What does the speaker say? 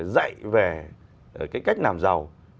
dạy về cái cách làm giàu